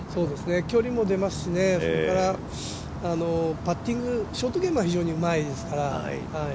距離も出ますし、パッティング、ショートゲームが非常にうまいですから。